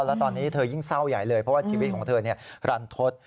แล้วตอนนี้เธอยิ่งเศร้าใหญ่เลยเพราะว่าชีวิตของเธอรันทศ